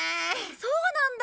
そうなんだ。